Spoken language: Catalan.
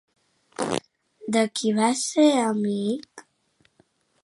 De qui va ser amic?